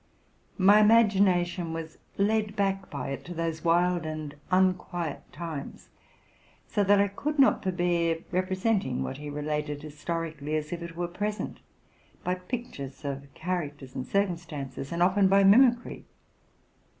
My imagination was led back by it to those wild and unquiet times ; so that I could not forbear representing what he related historically, as if it were present, by pictures of characters and circumstances, and often by mimicry.